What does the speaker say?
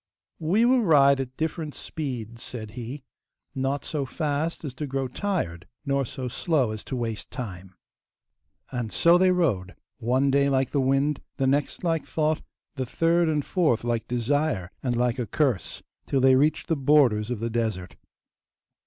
'We will ride at different speeds,' said he, 'not so fast as to grow tired nor so slow as to waste time.' And so they rode, one day like the wind, the next like thought, the third and fourth like desire and like a curse, till they reached the borders of the desert.